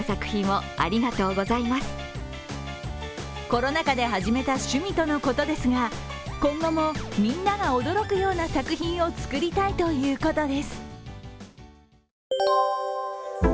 コロナ禍で始めた趣味とのことですが今後も、みんなが驚くような作品を作りたいということです。